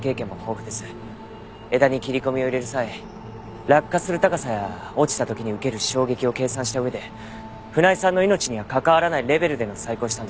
枝に切り込みを入れる際落下する高さや落ちた時に受ける衝撃を計算した上で船井さんの命には関わらないレベルでの細工をしたんでしょう。